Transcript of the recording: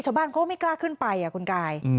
ชาวบ้านเขาก็ไม่กล้าขึ้นไปคุณกาย